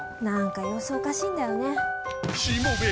何か様子おかしいんだよね。